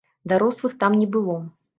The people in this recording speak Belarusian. Дарослых там не было.